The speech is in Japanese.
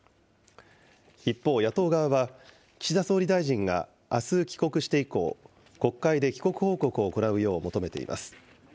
一方、野党側は、岸田総理大臣があす帰国して以降、国会で帰国報告を行うよう求めています。